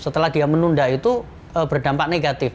setelah dia menunda itu berdampak negatif